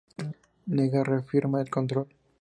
Negan reafirma el control.